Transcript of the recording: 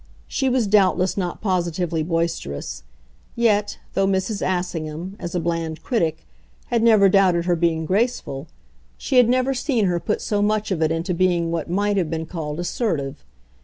She was doubtless not positively boisterous; yet, though Mrs. Assingham, as a bland critic, had never doubted her being graceful, she had never seen her put so much of it into being what might have been called assertive.